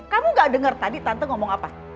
kamu gak dengar tadi tante ngomong apa